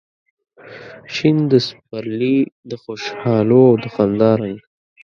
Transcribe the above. شین د سپرلي د خوشحالو او د خندا رنګ